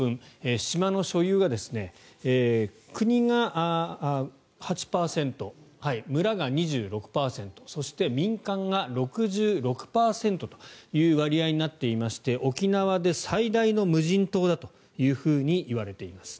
島の所有が国が８％、村が２６％そして、民間が６６％という割合になっていまして沖縄で最大の無人島だといわれています。